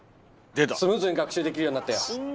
スムーズに学習できるようになったよ。